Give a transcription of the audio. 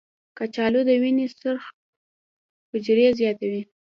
کچالو د وینې سرخ حجرې زیاتوي.